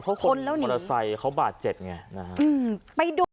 เพราะคนมอเตอร์ไซค์เขาบาดเจ็บไง